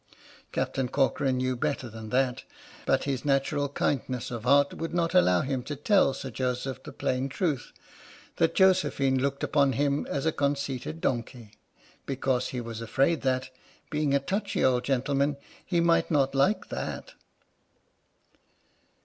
Captain Corcoran knew better than that, but his natural kindness of heart would not allow him to tell Sir Joseph the plain truth — that Josephine looked upon him as a conceited donkey, because he was afraid that, being a touchy old gentleman, he might not like that.